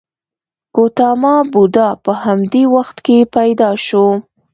ګوتاما بودا په همدې وخت کې پیدا شو.